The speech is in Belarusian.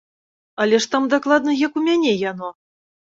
Але ж там дакладна як у мяне яно!